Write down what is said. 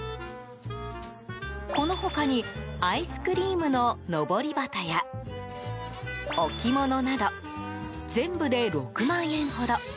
この他にアイスクリームののぼり旗や置き物など全部で６万円ほど。